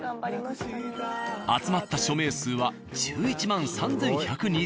集まった署名数は１１万３１２０人。